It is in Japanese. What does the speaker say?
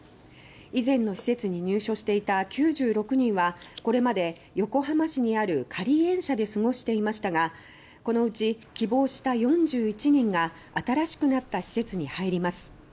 以前の施設に入所していた９６人はこれまで横浜市にある仮園舎で過ごしていましたがこのうち、きょうは希望した４１人が新しくなった施設に入ります。